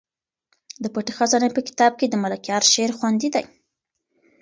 د پټې خزانې په کتاب کې د ملکیار شعر خوندي دی.